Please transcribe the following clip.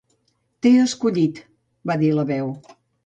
"T'he escollit", va dir la Veu.